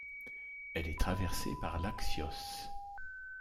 Elle est traversée par l'Axios.